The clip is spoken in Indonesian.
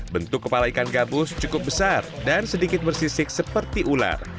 bentuk kepala ikan gabus cukup besar dan sedikit bersisik seperti ular